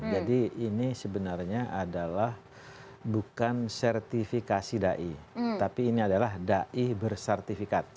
jadi ini sebenarnya adalah bukan sertifikasi dai tapi ini adalah dai bersertifikat